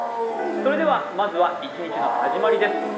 それではまずは一日の始まりです。